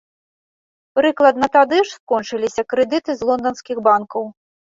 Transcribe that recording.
Прыкладна тады ж скончыліся крэдыты з лонданскіх банкаў.